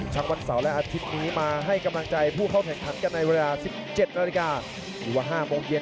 วันเสาร์และอาทิตย์นี้มาให้กำลังใจผู้เข้าแข่งขันกันในเวลา๑๗นาฬิกาหรือว่า๕โมงเย็น